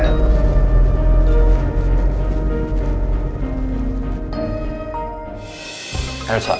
aku kangen banget sama rena